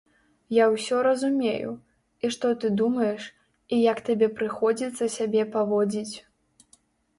Я усе разумею, і што ты думаеш, і як табе прыходзіцца сябе паводзіць.